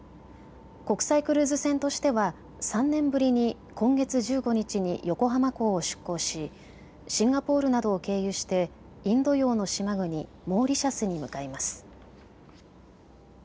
国際クルーズ船としては３年ぶりに今月１５日に横浜港を出港しシンガポールなどを経由してインド洋の島国モーリシャスに向かいます。